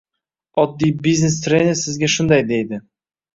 Oddiy biznes- trener sizga shunday deydi: